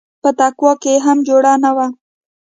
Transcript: په تقوا کښې يې هم جوړه نه وه.